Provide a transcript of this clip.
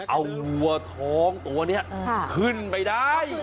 เอาวัวท้องตัวนี้ขึ้นไปได้